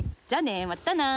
じゃあね！